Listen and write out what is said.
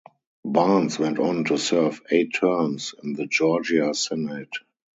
Barnes went on to serve eight terms in the Georgia Senate.